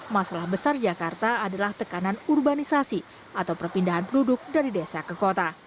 masalah besar jakarta adalah tekanan urbanisasi atau perpindahan penduduk dari desa ke kota